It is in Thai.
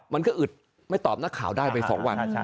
มันก็อึดไม่ตอบนักข่าวได้ไป๒วัน